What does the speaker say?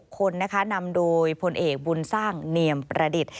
คนนะคะนำโดยพลเอกบุญสร้างเนียมประดิษฐ์